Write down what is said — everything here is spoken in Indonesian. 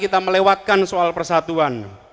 kita melewatkan soal persatuan